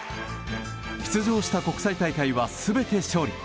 出場した国際大会は全て勝利。